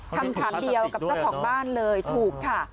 คำถามเดียวกับเจ้าของบ้านเลยถูกค่ะ